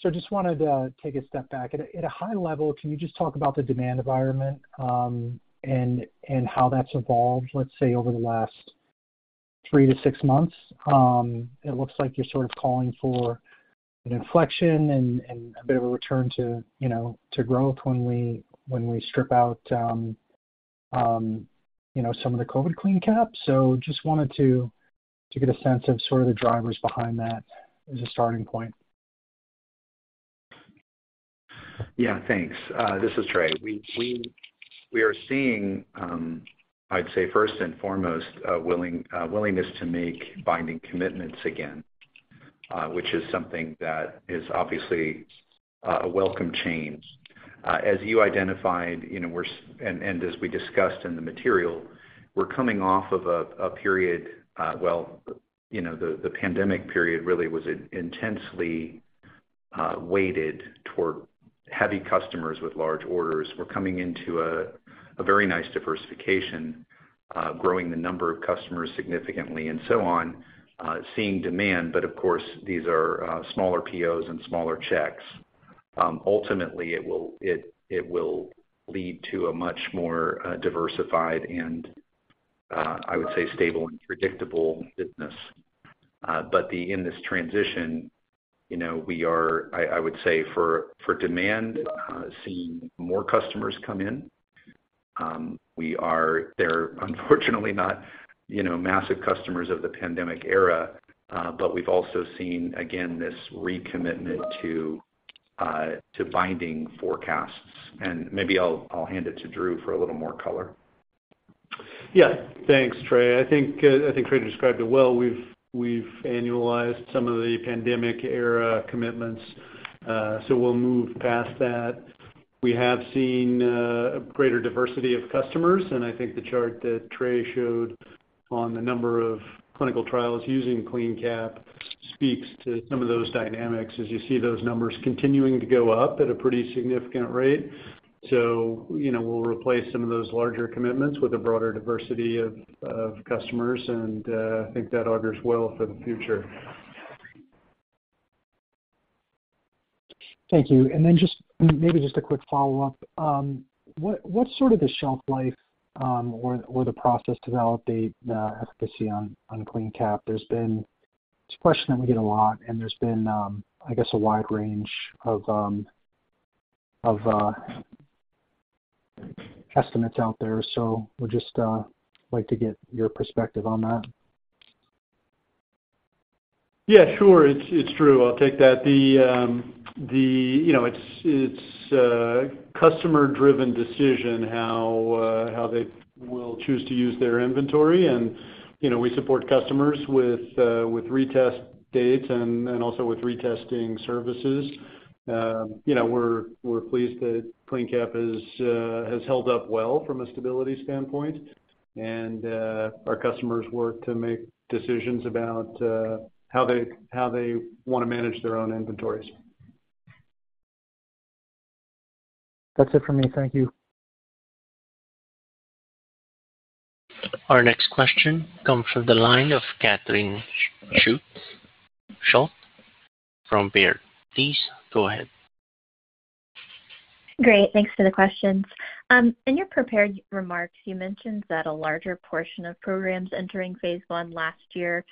So just wanted to take a step back. At a high level, can you just talk about the demand environment, and how that's evolved, let's say, over the last three to six months? It looks like you're sort of calling for an inflection and a bit of a return to, you know, to growth when we strip out, you know, some of the COVID CleanCaps. So just wanted to get a sense of sort of the drivers behind that as a starting point. Yeah, thanks. This is Trey. We are seeing, I'd say first and foremost, a willingness to make binding commitments again, which is something that is obviously a welcome change. As you identified, you know, and as we discussed in the material, we're coming off of a period, well, you know, the pandemic period really was intensely weighted toward heavy customers with large orders. We're coming into a very nice diversification, growing the number of customers significantly and so on, seeing demand, but of course, these are smaller POs and smaller checks. Ultimately, it will lead to a much more diversified and, I would say, stable and predictable business. But in this transition, you know, we are... I would say for demand, seeing more customers come in, they're unfortunately not, you know, massive customers of the pandemic era, but we've also seen, again, this recommitment to binding forecasts. And maybe I'll hand it to Drew for a little more color.... Yeah, thanks, Trey. I think Trey described it well. We've annualized some of the pandemic-era commitments, so we'll move past that. We have seen a greater diversity of customers, and I think the chart that Trey showed on the number of clinical trials using CleanCap speaks to some of those dynamics as you see those numbers continuing to go up at a pretty significant rate. So, you know, we'll replace some of those larger commitments with a broader diversity of customers, and I think that augurs well for the future. Thank you. Then just, maybe just a quick follow-up. What, what's sort of the shelf life, or the process to validate the efficacy on CleanCap? It's a question that we get a lot, and there's been, I guess, a wide range of estimates out there. Would just like to get your perspective on that. Yeah, sure. It's, it's true. I'll take that. The, the, you know, it's, it's a customer-driven decision, how, how they will choose to use their inventory, and, you know, we support customers with, with retest dates and, and also with retesting services. You know, we're, we're pleased that CleanCap is, has held up well from a stability standpoint, and, our customers work to make decisions about, how they, how they want to manage their own inventories. That's it for me. Thank you. Our next question comes from the line of Catherine Schulte from Baird. Please go ahead. Great. Thanks for the questions. In your prepared remarks, you mentioned that a larger portion of programs entering phase one last year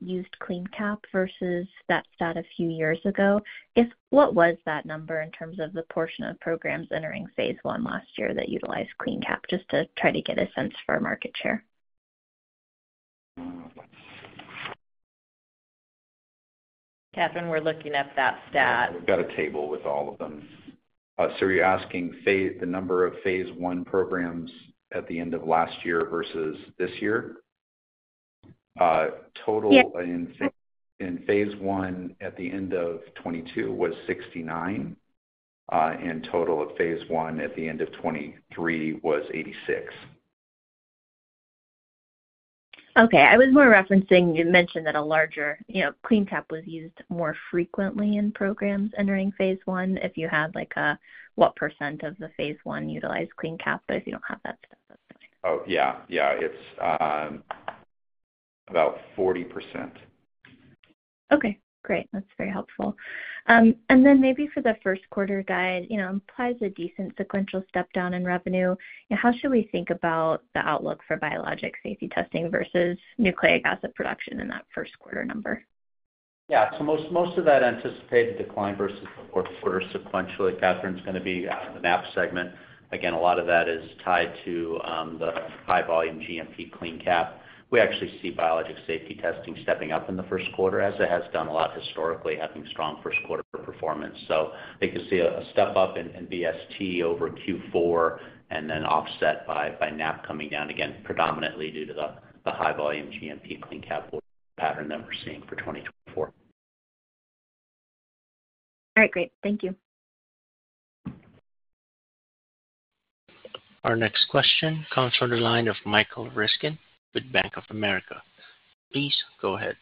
used CleanCap versus that stat a few years ago. What was that number in terms of the portion of programs entering phase one last year that utilized CleanCap, just to try to get a sense for market share? Catherine, we're looking up that stat. We've got a table with all of them. So you're asking the number of phase one programs at the end of last year versus this year? Total- Yes. In phase one at the end of 2022 was 69. And total of phase one at the end of 2023 was 86. Okay. I was more referencing, you mentioned that a larger, you know, CleanCap was used more frequently in programs entering phase one. If you had, like, a, what percent of the phase one utilized CleanCap, but if you don't have that stat, that's fine. Oh, yeah. Yeah, it's about 40%. Okay, great. That's very helpful. And then maybe for the first quarter guide, you know, implies a decent sequential step down in revenue. How should we think about the outlook for Biologics Safety Testing versus Nucleic Acid Production in that first quarter number? Yeah. So most, most of that anticipated decline versus the fourth quarter sequentially, Catherine, is going to be the NAP segment. Again, a lot of that is tied to the high volume GMP CleanCap. We actually see Biologics Safety Testing stepping up in the first quarter, as it has done a lot historically, having strong first quarter performance. So I could see a step up in BST over Q4 and then offset by NAP coming down again, predominantly due to the high volume GMP CleanCap pattern that we're seeing for 2024. All right, great. Thank you. Our next question comes from the line of Michael Ryskin with Bank of America. Please go ahead.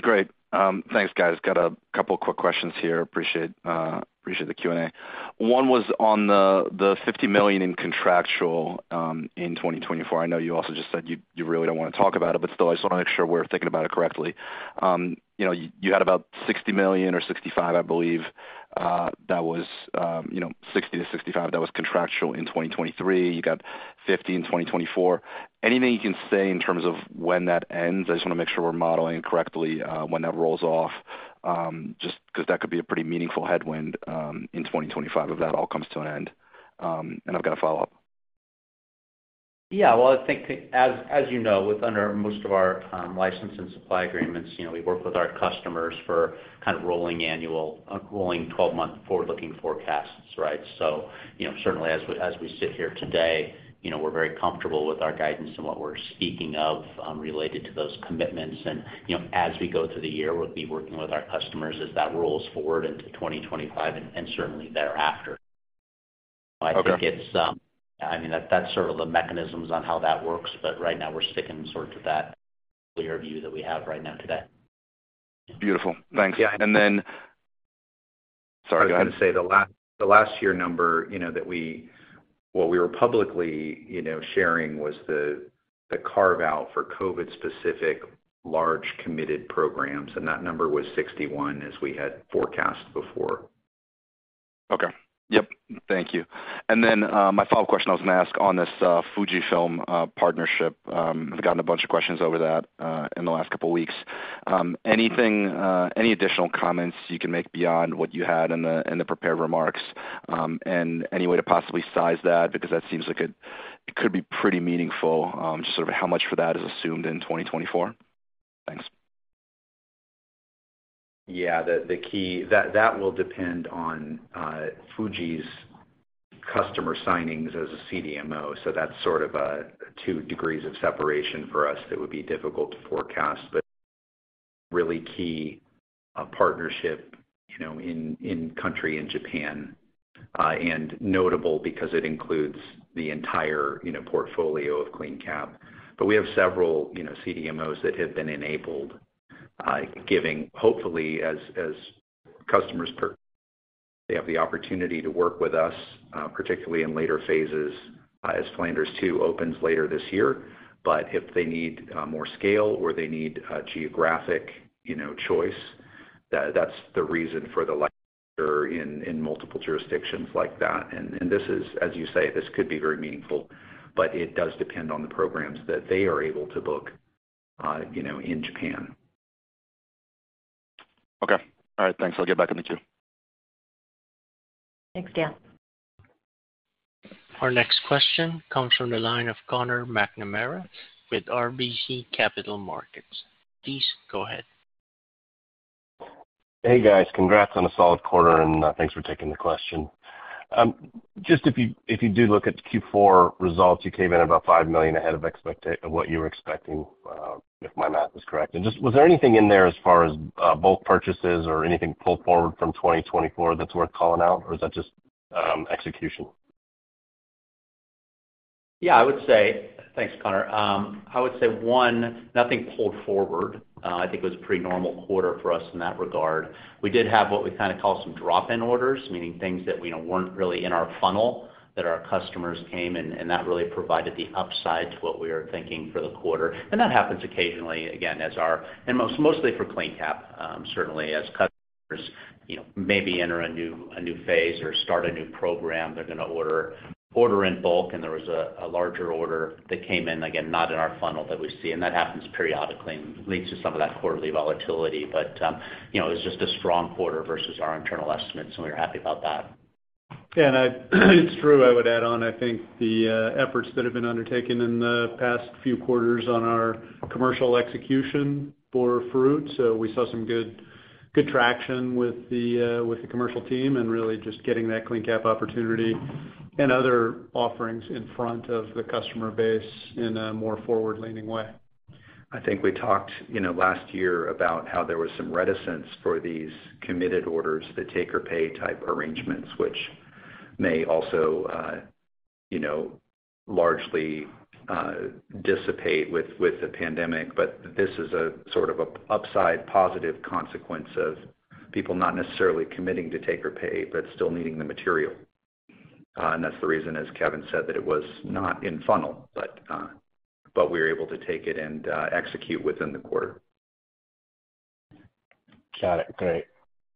Great. Thanks, guys. Got a couple quick questions here. Appreciate, appreciate the Q&A. One was on the, the $50 million in contractual, in 2024. I know you also just said you, you really don't want to talk about it, but still, I just want to make sure we're thinking about it correctly. You know, you had about $60 million or $65 million, I believe, that was, you know, $60 million-$65 million, that was contractual in 2023. You got $50 million in 2024. Anything you can say in terms of when that ends? I just want to make sure we're modeling it correctly, when that rolls off, just because that could be a pretty meaningful headwind, in 2025, if that all comes to an end. And I've got a follow-up. Yeah, well, I think as you know, under most of our license and supply agreements, you know, we work with our customers for kind of rolling annual rolling twelve-month forward-looking forecasts, right? So, you know, certainly as we sit here today, you know, we're very comfortable with our guidance and what we're speaking of related to those commitments. And, you know, as we go through the year, we'll be working with our customers as that rolls forward into 2025 and certainly thereafter. Okay. I think it's, I mean, that, that's sort of the mechanisms on how that works, but right now we're sticking sort of to that clear view that we have right now today. Beautiful. Thanks. Yeah. And then... Sorry, go ahead. I was going to say, the last year number, you know, that we—what we were publicly, you know, sharing, was the carve-out for COVID-specific large committed programs, and that number was 61, as we had forecast before. Okay. Yep. Thank you. And then, my follow-up question I was going to ask on this, Fujifilm partnership. I've gotten a bunch of questions over that, in the last couple weeks. Anything, any additional comments you can make beyond what you had in the, in the prepared remarks? And any way to possibly size that, because that seems like it, it could be pretty meaningful. Just sort of how much for that is assumed in 2024? Thanks. ... Yeah, the key, that will depend on Fuji's customer signings as a CDMO. So that's sort of a two degrees of separation for us that would be difficult to forecast. But really key partnership, you know, in-country in Japan, and notable because it includes the entire, you know, portfolio of CleanCap. But we have several, you know, CDMOs that have been enabled, giving hopefully as customers, they have the opportunity to work with us, particularly in later phases, as Flanders 2 opens later this year. But if they need more scale or they need a geographic, you know, choice, that's the reason for being in multiple jurisdictions like that. And this is, as you say, this could be very meaningful, but it does depend on the programs that they are able to book, you know, in Japan. Okay. All right, thanks. I'll get back in the queue. Thanks, Dan. Our next question comes from the line of Conor McNamara with RBC Capital Markets. Please go ahead. Hey, guys. Congrats on a solid quarter, and thanks for taking the question. Just if you, if you do look at the Q4 results, you came in about $5 million ahead of expectations of what you were expecting, if my math is correct. Just, was there anything in there as far as both purchases or anything pulled forward from 2024 that's worth calling out, or is that just execution? Yeah, I would say—thanks, Conor. I would say, nothing pulled forward. I think it was a pretty normal quarter for us in that regard. We did have what we kinda call some drop-in orders, meaning things that we know weren't really in our funnel, that our customers came and that really provided the upside to what we were thinking for the quarter, and that happens occasionally, again, as our and mostly for CleanCap, certainly as customers, you know, maybe enter a new phase or start a new program, they're gonna order in bulk, and there was a larger order that came in, again, not in our funnel that we see. And that happens periodically and leads to some of that quarterly volatility. You know, it's just a strong quarter versus our internal estimates, so we're happy about that. It's true, I would add on. I think the efforts that have been undertaken in the past few quarters on our commercial execution bore fruit. So we saw some good, good traction with the commercial team, and really just getting that CleanCap opportunity and other offerings in front of the customer base in a more forward-leaning way. I think we talked, you know, last year about how there was some reticence for these committed orders, the take or pay type arrangements, which may also, you know, largely, dissipate with, with the pandemic. But this is a sort of a upside positive consequence of people not necessarily committing to take or pay, but still needing the material. And that's the reason, as Kevin said, that it was not in funnel, but, but we were able to take it and, execute within the quarter. Got it. Great.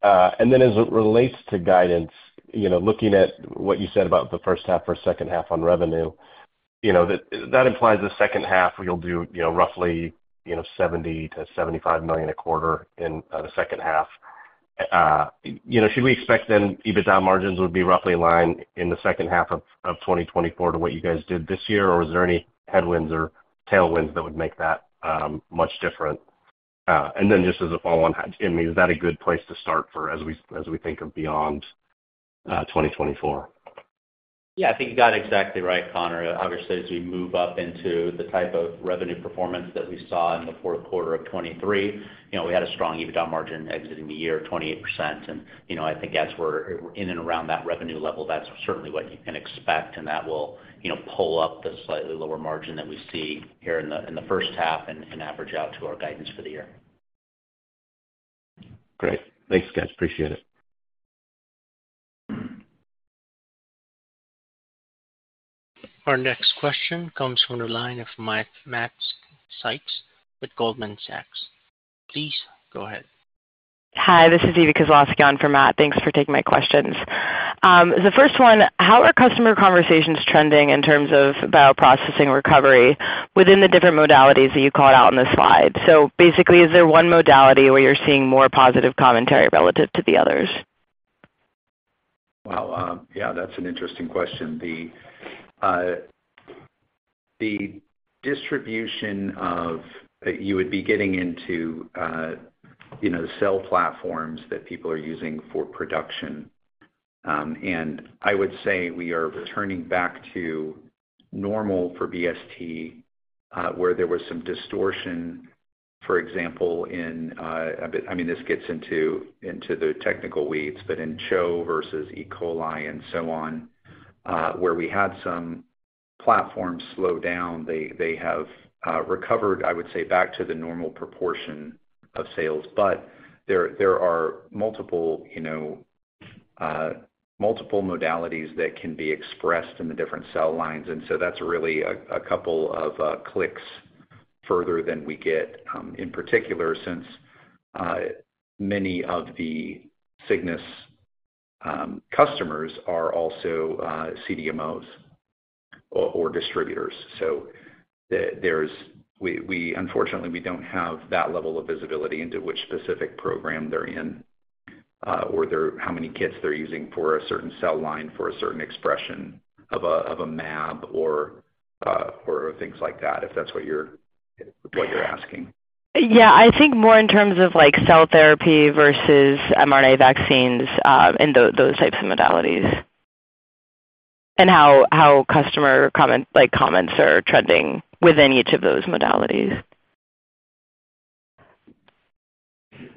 And then as it relates to guidance, you know, looking at what you said about the first half or second half on revenue, you know, that, that implies the second half, you'll do, you know, roughly, you know, $70 million-$75 million a quarter in the second half. You know, should we expect then EBITDA margins would be roughly in line in the second half of 2024 to what you guys did this year? Or is there any headwinds or tailwinds that would make that much different? And then just as a follow-on, I mean, is that a good place to start for as we, as we think of beyond 2024? Yeah, I think you got it exactly right, Conor. Obviously, as you move up into the type of revenue performance that we saw in the fourth quarter of 2023, you know, we had a strong EBITDA margin exiting the year, 28%. And, you know, I think as we're in and around that revenue level, that's certainly what you can expect, and that will, you know, pull up the slightly lower margin that we see here in the first half and average out to our guidance for the year. Great. Thanks, guys. Appreciate it. Our next question comes from the line of Matt Sykes with Goldman Sachs. Please go ahead. Hi, this is Eva Kiszlowski in for Matt, thanks for taking my questions. The first one, how are customer conversations trending in terms of bioprocessing recovery within the different modalities that you called out on the slide? So basically, is there one modality where you're seeing more positive commentary relative to the others? Well, yeah, that's an interesting question. The distribution of... You would be getting into, you know, cell platforms that people are using for production. And I would say we are returning back to normal for BST, where there was some distortion, for example, in a bit, I mean, this gets into into the technical weeds, but in CHO versus E. coli and so on, where we had some platforms slow down, they have recovered, I would say, back to the normal proportion of sales. But there are multiple, you know, multiple modalities that can be expressed in the different cell lines, and so that's really a couple of clicks further than we get, in particular, since many of the Cygnus customers are also CDMOs or distributors. So, unfortunately, we don't have that level of visibility into which specific program they're in, or how many kits they're using for a certain cell line, for a certain expression of a mAb or things like that, if that's what you're asking. Yeah, I think more in terms of like cell therapy versus mRNA vaccines, and those types of modalities. And how customer comments are trending within each of those modalities.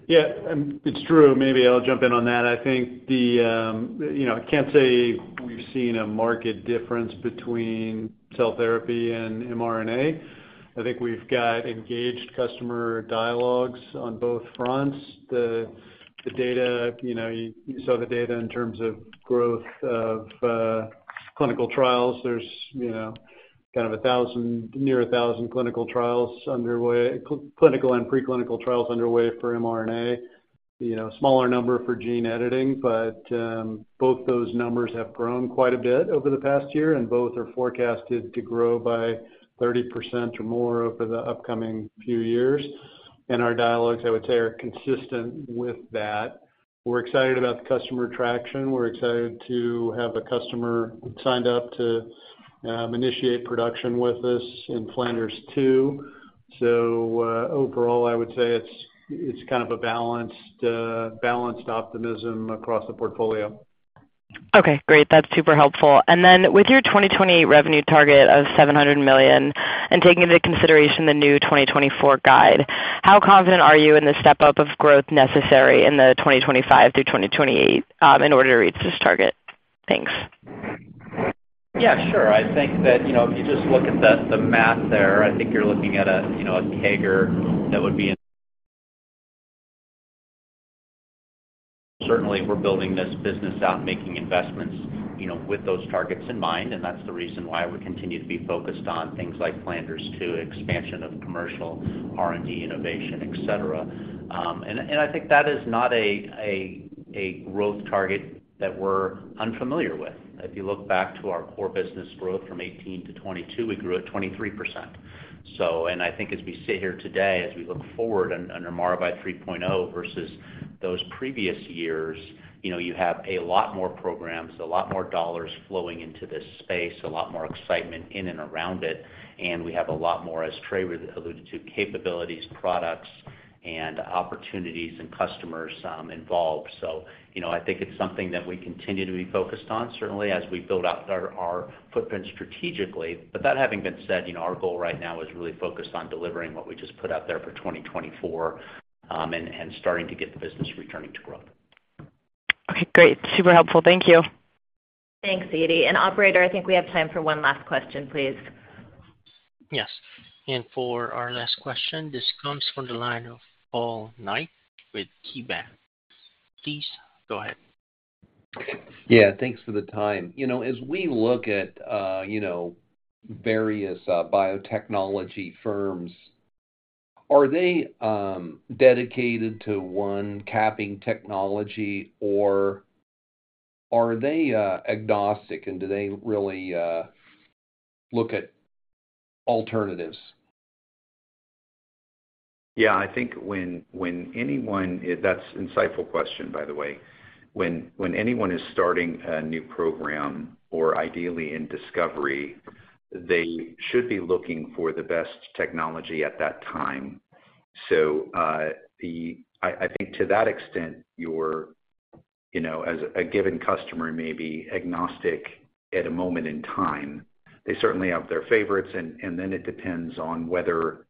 Yeah, it's true. Maybe I'll jump in on that. I think the, you know, I can't say we've seen a marked difference between cell therapy and mRNA. I think we've got engaged customer dialogues on both fronts. The, the data, you know, you saw the data in terms of growth of, clinical trials. There's, you know, kind of 1,000, near 1,000 clinical trials underway, clinical and preclinical trials underway for mRNA. You know, a smaller number for gene editing, but, both those numbers have grown quite a bit over the past year, and both are forecasted to grow by 30% or more over the upcoming few years. And our dialogues, I would say, are consistent with that. We're excited about the customer traction. We're excited to have a customer signed up to, initiate production with us in Flanders 2. Overall, I would say it's kind of a balanced optimism across the portfolio. Okay, great. That's super helpful. And then with your 2020 revenue target of $700 million and taking into consideration the new 2024 guide, how confident are you in the step up of growth necessary in the 2025 through 2028 in order to reach this target? Thanks. Yeah, sure. I think that, you know, if you just look at the math there, I think you're looking at a, you know, a CAGR that would be in... Certainly, we're building this business out, making investments, you know, with those targets in mind, and that's the reason why we continue to be focused on things like Flanders 2, expansion of commercial, R&D, innovation, et cetera. And I think that is not a growth target that we're unfamiliar with. If you look back to our core business growth from 2018 to 2022, we grew at 23%. I think as we sit here today, as we look forward under Maravai 3.0 versus those previous years, you know, you have a lot more programs, a lot more dollars flowing into this space, a lot more excitement in and around it, and we have a lot more, as Trey alluded to, capabilities, products, and opportunities and customers involved. So, you know, I think it's something that we continue to be focused on, certainly as we build out our footprint strategically. But that having been said, you know, our goal right now is really focused on delivering what we just put out there for 2024, and starting to get the business returning to growth. Okay, great. Super helpful. Thank you. Thanks, Ady. Operator, I think we have time for one last question, please. Yes. And for our last question, this comes from the line of Paul Knight with KeyBanc. Please go ahead. Yeah, thanks for the time. You know, as we look at, you know, various biotechnology firms, are they dedicated to one capping technology, or are they agnostic, and do they really look at alternatives? Yeah, I think when anyone-- That's insightful question, by the way. When anyone is starting a new program or ideally in discovery, they should be looking for the best technology at that time. So, I think to that extent, you know, as a given customer may be agnostic at a moment in time. They certainly have their favorites, and then it depends on whether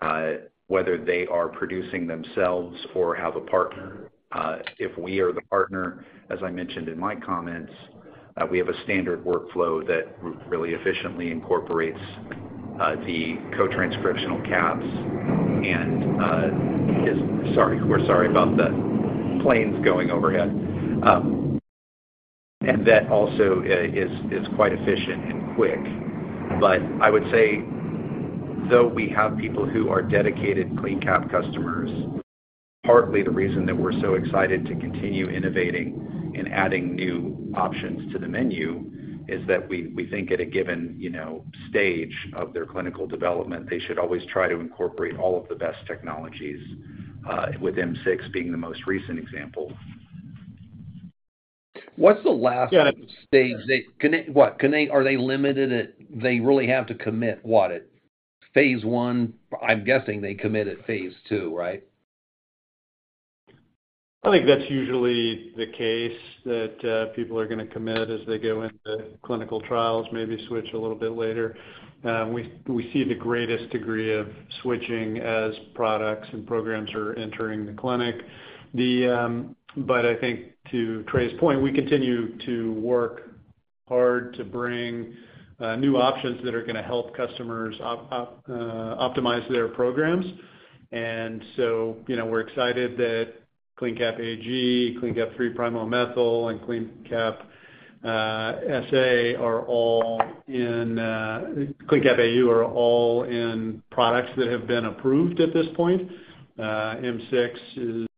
they are producing themselves or have a partner. If we are the partner, as I mentioned in my comments, we have a standard workflow that really efficiently incorporates the co-transcriptional caps and is- sorry, we're sorry about the planes going overhead. And that also is quite efficient and quick. But I would say, though we have people who are dedicated CleanCap customers, partly the reason that we're so excited to continue innovating and adding new options to the menu is that we, we think at a given, you know, stage of their clinical development, they should always try to incorporate all of the best technologies, with M6 being the most recent example. What's the last stage? Can they what, can they, are they limited that they really have to commit, what, at phase one? I'm guessing they commit at phase two, right? I think that's usually the case, that people are gonna commit as they go into clinical trials, maybe switch a little bit later. We see the greatest degree of switching as products and programs are entering the clinic. But I think to Trey's point, we continue to work hard to bring new options that are gonna help customers optimize their programs. And so, you know, we're excited that CleanCap AG, CleanCap AG (3' OMe), and CleanCap AU are all in products that have been approved at this point. M6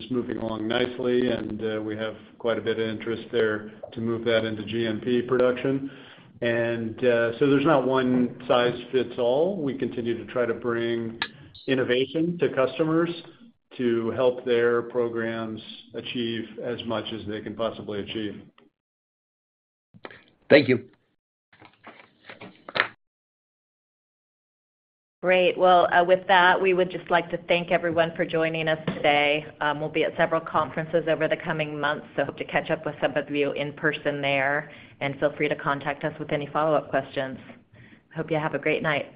is moving along nicely, and we have quite a bit of interest there to move that into GMP production. And so there's not one-size-fits-all. We continue to try to bring innovation to customers to help their programs achieve as much as they can possibly achieve. Thank you. Great. Well, with that, we would just like to thank everyone for joining us today. We'll be at several conferences over the coming months, so hope to catch up with some of you in person there, and feel free to contact us with any follow-up questions. Hope you have a great night.